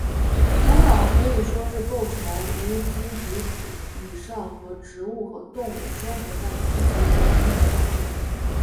土壤可以说是构成无机底土以上和植物和动物生活在地球表面的那部分。